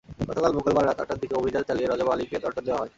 গতকাল মঙ্গলবার রাত আটটার দিকে অভিযান চালিয়ে রজব আলীকে দণ্ড দেওয়া হয়।